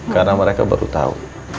karena mereka baru tahu